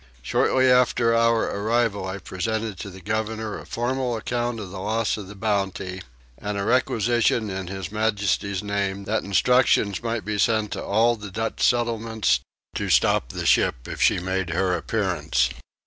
Shortly after our arrival I presented to the governor a formal account of the loss of the Bounty; and a requisition in His Majesty's name that instructions might be sent to all the Dutch settlements to stop the ship if she made her appearance.